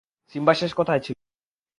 Simba শেষ কোথায় ছিল?